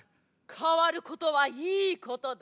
変わることはいいことだ。